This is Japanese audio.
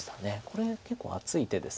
これ結構厚い手です。